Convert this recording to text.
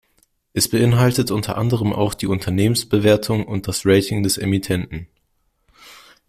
Es beinhaltet unter anderem auch die Unternehmensbewertung und das Rating des Emittenten.